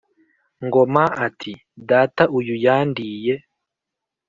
Ngoma ati «'Data uyu yandiye